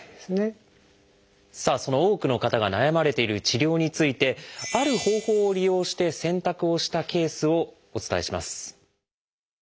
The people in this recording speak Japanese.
さあその多くの方が悩まれている治療についてある方法を利用して選択をしたケースをお伝えします。